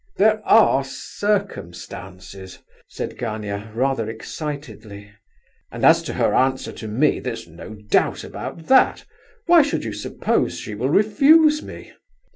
There are circumstances," said Gania, rather excitedly. "And as to her answer to me, there's no doubt about that. Why should you suppose she will refuse me?"